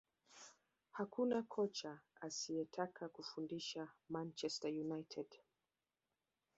hakuna kocha asiyetaka kufundisha manchester united